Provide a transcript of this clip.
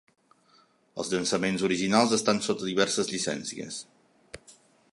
Els llançaments originals estan sota diverses llicències.